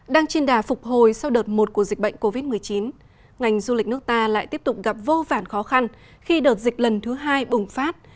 đang trên đà phục hồi sau đợt một của dịch bệnh covid một mươi chín ngành du lịch nước ta lại tiếp tục gặp vô vản khó khăn khi đợt dịch lần thứ hai bùng phát